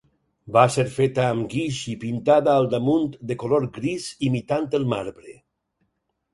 Va ser feta amb guix i pintada al damunt de color gris imitant el marbre.